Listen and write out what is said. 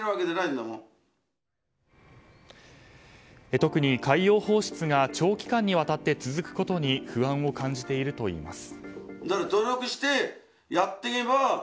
特に海洋放出が長期間にわたって続くことに不安を感じているといいます。